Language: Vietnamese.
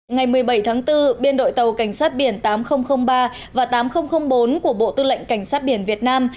ngày một mươi bảy tháng bốn biên đội tàu cảnh sát biển tám nghìn ba và tám nghìn bốn của bộ tư lệnh cảnh sát biển việt nam